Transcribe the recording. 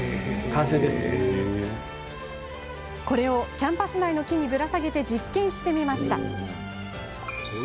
キャンパス内の木にぶら下げて実験してみました。